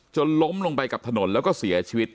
ล้มลงไปกับถนนแล้วก็เสียชีวิต